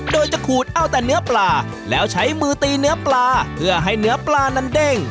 โดยจะขูดเอาแต่เนื้อปลาแล้วใช้มือตีเนื้อปลาเพื่อให้เนื้อปลานั้นเด้ง